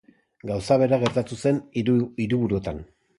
Gauza bera gertatu zen hiru hiriburuetan.